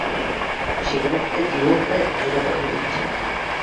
এতে শিক্ষার্থীদের জীবন প্রায় অনিরাপদ হয়ে উঠেছে।